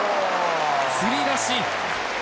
つり出し。